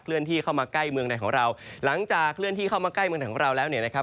ที่เข้ามาใกล้เมืองในของเราหลังจากเคลื่อนที่เข้ามาใกล้เมืองไทยของเราแล้วเนี่ยนะครับ